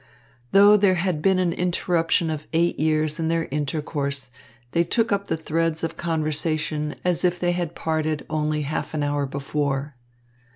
Though there had been an interruption of eight years in their intercourse, they took up the threads of conversation as if they had parted only half an hour before.